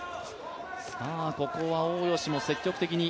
さあ、ここは大吉も積極的に。